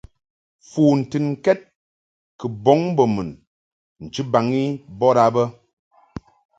Fu ntɨnkɛd kɨ bɔŋ mbo mun nchibaŋ i bɔd a bə.